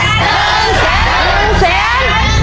เมืองแสน